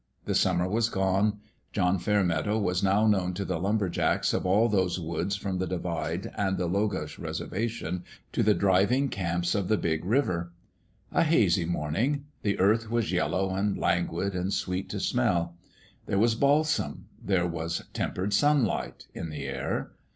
The summer was gone : John Fairmeadow was now known to the lumber jacks of all those woods from the Divide and the Logosh Reservation to the driv ing camps of the Big River. A hazy morning : the earth was yellow and languid and sweet to smell. There was balsam there was tempered sunlight in the air.